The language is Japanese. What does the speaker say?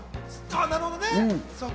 なるほどね。